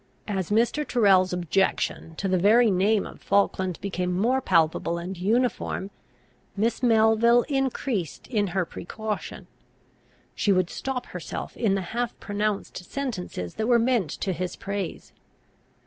As Mr. Tyrrel's objection to the very name of Falkland became more palpable and uniform, Miss Melville increased in her precaution. She would stop herself in the half pronounced sentences that were meant to his praise.